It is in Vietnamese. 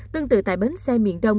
tương tự tại bến xe miền đông